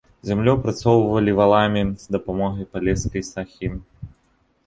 Зямлю апрацоўвалі валамі з дапамогай палескай сахі.